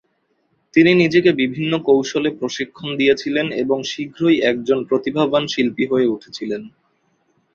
তিনি নিজেকে বিভিন্ন কৌশলে প্রশিক্ষণ দিয়েছিলেন এবং শীঘ্রই একজন প্রতিভাবান শিল্পী হয়ে উঠেছিলেন।